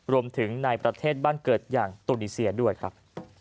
ในประเทศบ้านเกิดอย่างตูนีเซียด้วยครับ